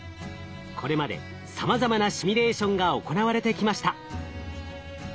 これまでさまざまなシミュレーションが行われてきました。